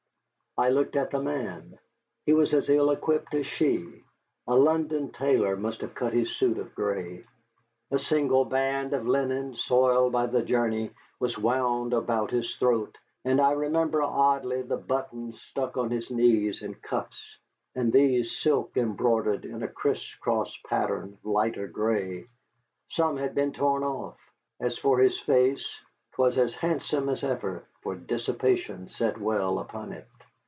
I looked on the man. He was as ill equipped as she. A London tailor must have cut his suit of gray. A single band of linen, soiled by the journey, was wound about his throat, and I remember oddly the buttons stuck on his knees and cuffs, and these silk embroidered in a criss cross pattern of lighter gray. Some had been torn off. As for his face, 'twas as handsome as ever, for dissipation sat well upon it.